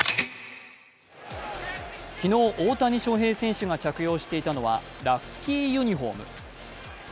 昨日、大谷翔平選手が着用していたのはラッキーユニフォーム。